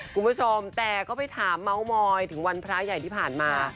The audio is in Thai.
คุณผู้ชมแต่ก็ไปถามเมาส์มอยถึงวันพระใหญ่ที่ผ่านมา